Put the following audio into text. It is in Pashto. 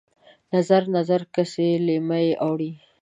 نظر، نظر کسي لېمه یې اورې